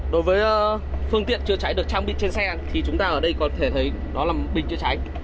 đối với phương tiện chưa cháy được trang bị trên xe thì chúng ta ở đây có thể thấy đó là bình chưa cháy